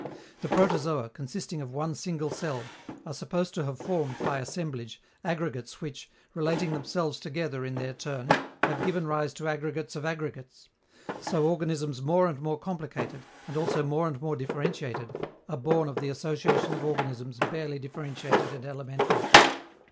The protozoa, consisting of one single cell, are supposed to have formed, by assemblage, aggregates which, relating themselves together in their turn, have given rise to aggregates of aggregates; so organisms more and more complicated, and also more and more differentiated, are born of the association of organisms barely differentiated and elementary.